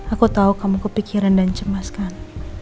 aku tahu kamu kepikiran dan cemas kan